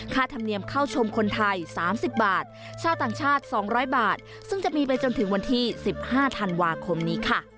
ธรรมเนียมเข้าชมคนไทย๓๐บาทชาวต่างชาติ๒๐๐บาทซึ่งจะมีไปจนถึงวันที่๑๕ธันวาคมนี้ค่ะ